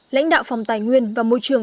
lãnh đạo phòng tài nguyên và môi trường